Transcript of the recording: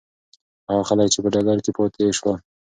هغه خلک چې په ډګر کې پاتې شول.